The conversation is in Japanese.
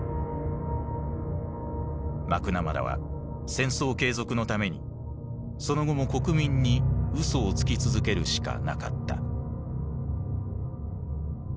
マクナマラは戦争継続のためにその後も国民に嘘をつき続けるしかなかった。